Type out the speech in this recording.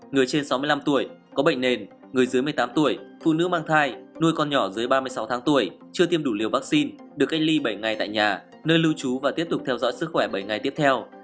người trên sáu mươi năm tuổi có bệnh nền người dưới một mươi tám tuổi phụ nữ mang thai nuôi con nhỏ dưới ba mươi sáu tháng tuổi chưa tiêm đủ liều vaccine được cách ly bảy ngày tại nhà nơi lưu trú và tiếp tục theo dõi sức khỏe bảy ngày tiếp theo